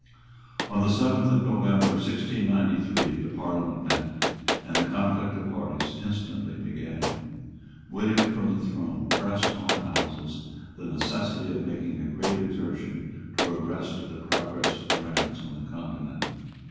On the seventh of November 1693 the Parliament met; and the conflict of parties instantly began. William from the throne pressed on the Houses the necessity of making a great exertion to arrest the progress of France on the Continent.